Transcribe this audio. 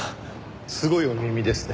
すごいお耳ですね。